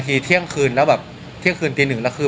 หรือว่าเก่งเที่ยงคืนตีนึงละคืน